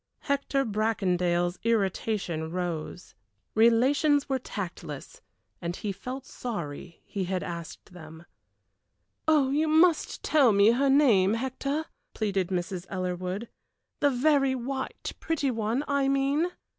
Hector Bracondale's irritation rose. Relations were tactless, and he felt sorry he had asked them. "You must tell me her name, Hector," pleaded Mrs. Ellerwood; "the very white, pretty one I mean."